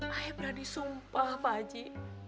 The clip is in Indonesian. ayah berani sumpah pak haji